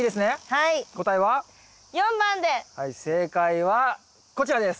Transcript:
はい正解はこちらです！